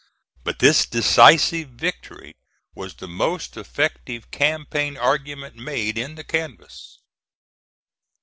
But this decisive victory was the most effective campaign argument made in the canvass.